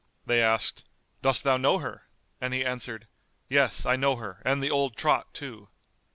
They asked, "Dost thou know her?"; and he answered, "Yes, I know her and the old trot too."